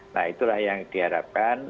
nah itulah yang diharapkan